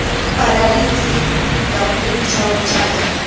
Para, ritʼi tuta pʼunchaw chayaq.